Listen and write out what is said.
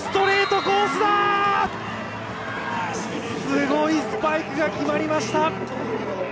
すごいスパイクが決まりました。